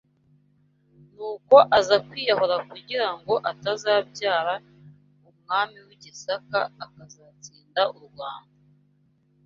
nuko aza kwiyahura kugirango atazabyara Umwami w’I Gisaka akazatsinda u Rwanda